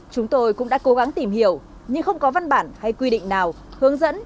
chúng tôi cũng đã cố gắng tìm hiểu nhưng không có văn bản hay quy định nào hướng dẫn